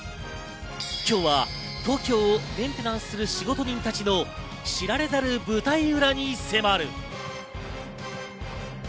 今日は東京をメンテナンスする仕事人たちの知られざる舞台裏に迫る。